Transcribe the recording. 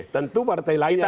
tentu partai lain yang